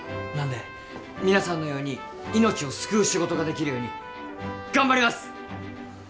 なんで皆さんのように命を救う仕事ができるように頑張ります。